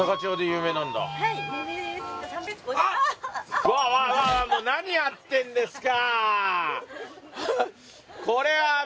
うわっ何やってんですか！